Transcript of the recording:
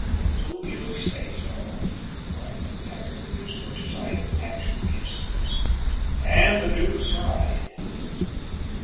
"Do you say so?" cried MacTaggart, with his first sign of actual insolence, and the Duke sighed.